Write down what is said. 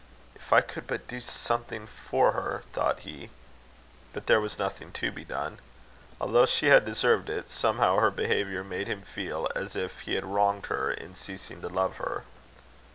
"If I could but do something for her!" thought he; but there was nothing to be done. Although she had deserved it, somehow her behaviour made him feel as if he had wronged her in ceasing to love her.